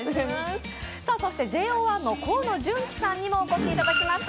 そしてＪＯ１の河野純喜さんにもお越しいただきました。